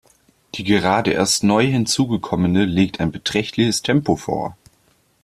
Die gerade erst neu hinzugekommene legt ein beträchtliches Tempo vor.